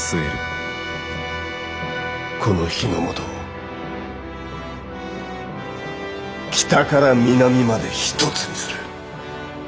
この日ノ本を北から南まで一つにする。